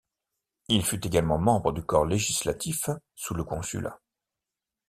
Il fut également membre du Corps législatif sous le Consulat.